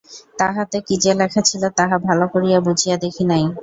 তাহাতে কী যে লেখা ছিল তাহা ভালো করিয়া বুঝিয়া দেখি নাই।